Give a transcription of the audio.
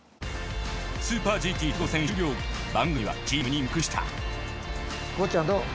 スーパーＧＴ第５戦終了後番組はチームに密着した坊ちゃんどう？